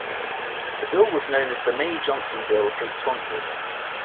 The bill was known as the May-Johnson Bill for its sponsors.